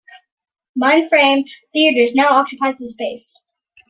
Mindframe Theaters now occupies the space.